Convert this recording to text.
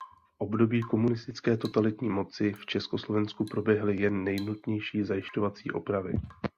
V období komunistické totalitní moci v Československu proběhly jen nejnutnější zajišťovací opravy.